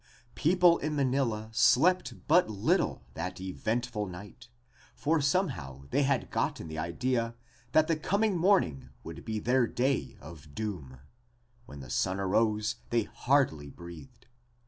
People in Manila slept but little that eventful night for somehow they had gotten the idea that the coming morning would be their day of doom. When the sun arose they hardly breathed.